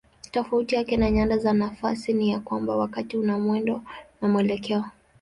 Tofauti yake na nyanda za nafasi ni ya kwamba wakati una mwendo na mwelekeo.